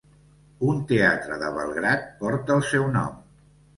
Un teatre de Belgrad porta el seu nom.